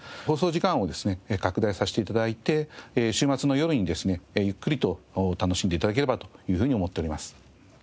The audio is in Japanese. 放送時間をですね拡大させて頂いて週末の夜にですねゆっくりと楽しんで頂ければというふうに思っております。